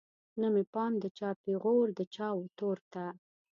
نه مې پام د چا پیغور د چا وتور ته